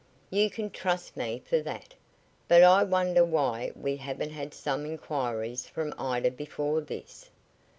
You can trust me for that. But I wonder why we haven't had some inquiries from Ida before this?"